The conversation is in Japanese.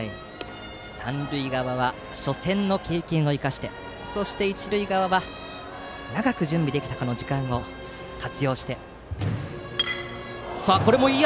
三塁側は初戦の経験を生かしてそして、一塁側は長く準備できた時間を活用してという。